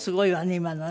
今のはね。